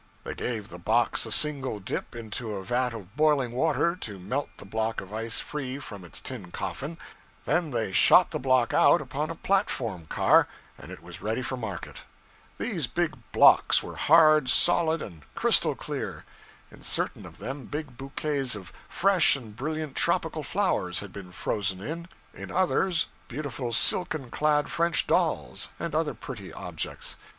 They gave the box a single dip into a vat of boiling water, to melt the block of ice free from its tin coffin, then they shot the block out upon a platform car, and it was ready for market. These big blocks were hard, solid, and crystal clear. In certain of them, big bouquets of fresh and brilliant tropical flowers had been frozen in; in others, beautiful silken clad French dolls, and other pretty objects.